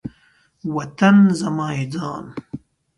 وطن زما یی ځان